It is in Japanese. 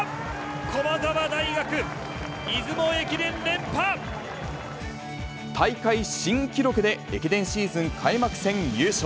駒澤大学、大会新記録で駅伝シーズン開幕戦優勝。